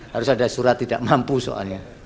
harus ada surat tidak mampu soalnya